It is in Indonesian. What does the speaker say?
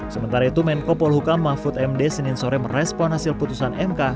sementara itu menko polhukam mahfud md senin sore merespon hasil putusan mk